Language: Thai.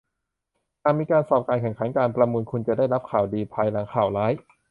หากมีการสอบ การแข่งขัน การประมูล คุณจะได้รับข่าวดีภายหลังข่าวร้าย